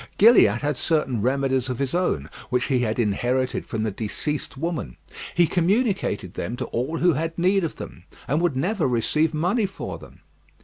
Gilliatt had certain remedies of his own, which he had inherited from the deceased woman. He communicated them to all who had need of them, and would never receive money for them.